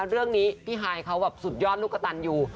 เรื่องนี้พี่ฮายเขาแบบสุดยอดลูกกระตันอยู่